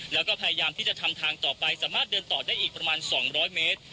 แล้วก็พยายามที่จะทำทางต่อไปสามารถเดินต่อได้อีกประมาณ๒๐๐เมตร